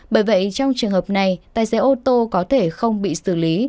bởi vậy trong trường hợp này tài xế ô tô có thể không bị xử lý